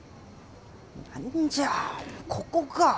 何じゃあここか。